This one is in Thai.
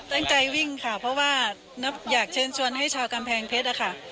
ตั้งใจวิ่งค่ะเพราะว่านับอยากเชิญชวนให้ชาวกำแพงเพชรอะค่ะ